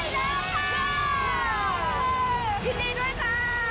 ยินดีด้วยค่ะ